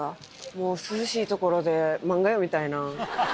もう、涼しい所で漫画読みたいな。